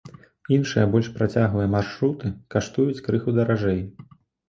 Іншыя, больш працяглыя маршруты каштуюць крыху даражэй.